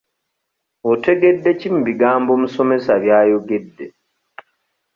Otegedde ki mu bigambo omusomesa by'ayogedde?